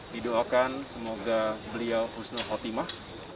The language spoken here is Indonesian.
didoakan semoga beliau husnul khotimah